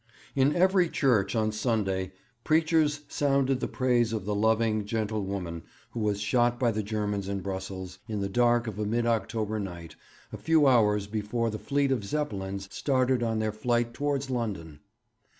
In every church on Sunday preachers sounded the praise of the loving, gentle woman who was shot by the Germans in Brussels in the dark of a mid October night a few hours before the fleet of Zeppelins started on their flight towards London.